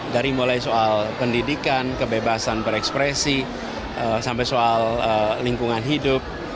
dari mulai soal pendidikan kebebasan berekspresi sampai soal lingkungan hidup